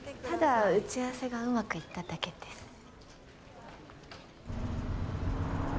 ただ打ち合わせがうまくいっただけです。